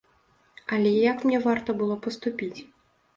Але як мне варта было паступіць?